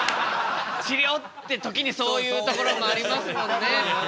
治りょうって時にそういうところもありますもんね。